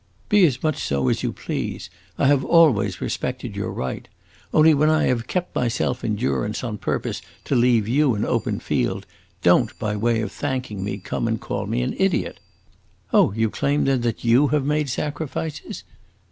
Be as much so as you please; I have always respected your right. Only when I have kept myself in durance on purpose to leave you an open field, don't, by way of thanking me, come and call me an idiot." "Oh, you claim then that you have made sacrifices?"